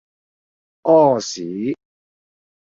屙屎